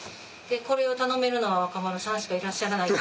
これを頼めるのは若丸さんしかいらっしゃらない。